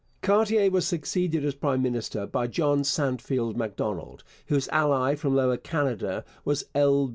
Cartier was succeeded as prime minister by John Sandfield Macdonald, whose ally from Lower Canada was L.